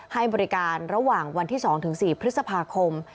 ให้บริการระหว่างวันที่๒๔พฤษภาคม